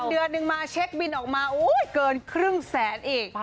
เดือนนึงมาเช็คบินออกมาเกินครึ่งแสนอีก